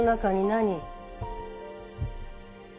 何？